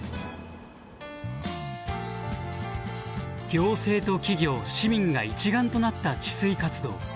行政と企業市民が一丸となった治水活動。